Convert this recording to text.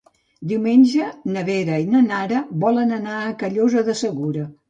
Diumenge na Vera i na Nara volen anar a Callosa de Segura.